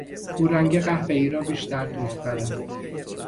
او رنگ قهوهای را بیشتر دوست دارد.